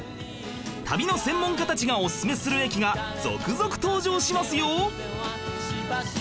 旅の専門家たちがおすすめする駅が続々登場しますよ